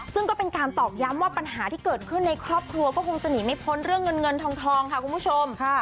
ซึ่งก็เป็นการตอกย้ำว่าปัญหาที่เกิดขึ้นในครอบครัวก็คงจะหนีไม่พ้นเรื่องเงินเงินทองค่ะคุณผู้ชม